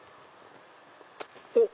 おっ！